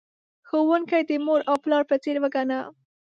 ښوونکی د مور او پلار په څیر وگڼه.